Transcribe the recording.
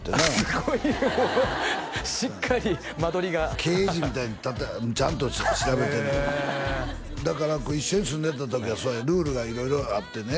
すごいもうしっかり間取りが刑事みたいにちゃんと調べてんねんだから一緒に住んでた時はルールが色々あってね